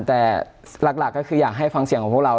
แต่หลักก็คืออยากให้ฟังเสียงของพวกเรา